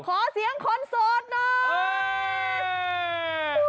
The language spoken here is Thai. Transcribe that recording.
ขอเสียงคนโสดนะ